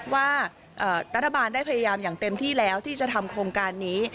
ว่ารัฐบาลได้พยายามอย่างเต็มที่แล้วที่จะทำโครงการนี้